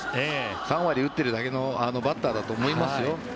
３割打ってるだけのバッターだと思いますよ。